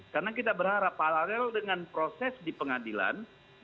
karena kita berharap paralel dengan proses di pengadilan